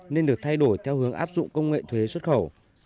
nên được thay đổi theo hướng áp dụng công nghệ thuế xuất khẩu